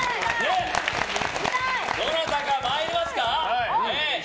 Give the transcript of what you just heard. どなたか参りますか？